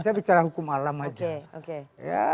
saya bicara hukum alam aja